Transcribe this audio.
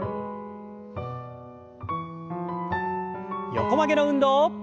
横曲げの運動。